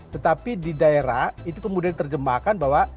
tetapi di daerah itu kemudian terjemahkan bahwa